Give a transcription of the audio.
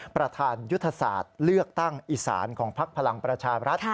ประธานยุทธศาสตร์เลือกตั้งอีสานของพักพลังประชาบรัฐ